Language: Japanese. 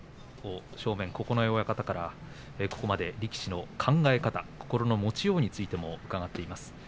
正面九重親方から、ここまで力士の考え方、心の持ち方についても伺っています。